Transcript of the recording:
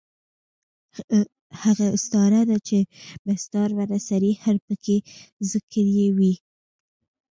هغه استعاره ده، چي مستعار منه صریحاً پکښي ذکر ىوى يي.